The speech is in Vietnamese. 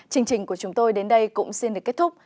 chương trình của chúng tôi đến đây cũng xin được kết thúc